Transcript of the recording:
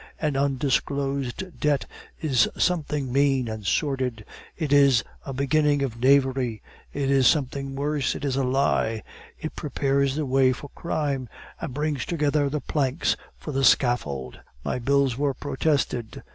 An undischarged debt is something mean and sordid; it is a beginning of knavery; it is something worse, it is a lie; it prepares the way for crime, and brings together the planks for the scaffold. My bills were protested.